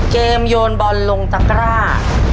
เกมโยนบอลลงตะกร่า